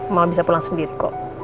malah bisa pulang sendiri kok